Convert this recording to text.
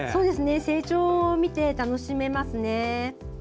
成長を見て楽しめますね。